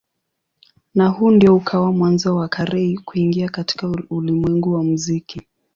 Na huu ndio ukawa mwanzo wa Carey kuingia katika ulimwengu wa muziki.